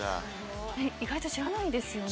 意外と知らないですよね。